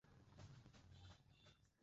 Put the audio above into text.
জীবনই আমাদের জন্য সিদ্ধান্ত নেয়।